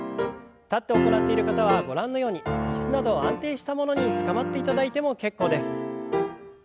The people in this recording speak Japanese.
立って行っている方はご覧のように椅子など安定したものにつかまっていただいても結構です。